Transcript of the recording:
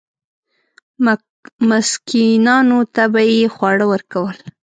مسکینانو ته به یې خواړه ورکول.